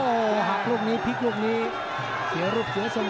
โอ้โหหักลูกนี้พลิกลูกนี้เสียรูปเสียสละ